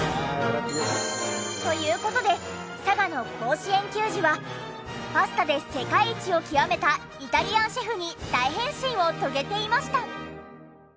という事で佐賀の甲子園球児はパスタで世界一を極めたイタリアンシェフに大変身を遂げていました。